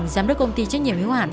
giám đốc công ty trách nhiệm hiếu hạn